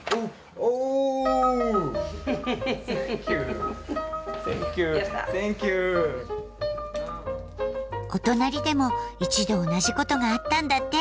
お隣でも一度同じことがあったんだって。